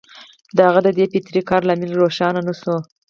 د هغه د دې فطري کار لامل روښانه نه شو